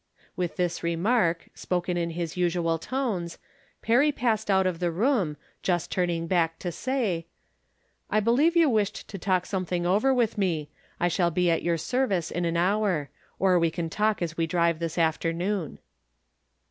With this remark, spoken in his usual tones, Perry passed out of the room, just turning back to say: " I believe you wished to talk something over with me. I shall be at your service in an hour ; or we can talk as we drive this afternoon."